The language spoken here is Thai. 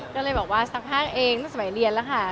ก็เลยบอกว่าสากผ้าตอนสมัยเรียนแล้วค่ะ